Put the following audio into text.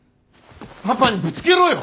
パパにぶつけろよ！